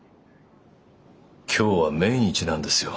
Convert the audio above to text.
今日は命日なんですよ